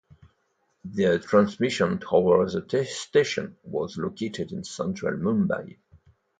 The transmission tower for the station was located in central Mumbai.